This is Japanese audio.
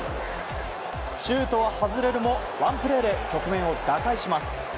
シュートは外れるもワンプレーで局面を打開します。